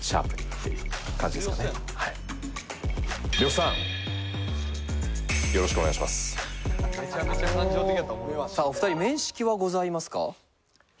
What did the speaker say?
さあお二人面識はございますか？